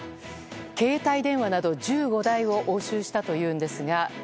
携帯電話など１５台を押収したというんですが。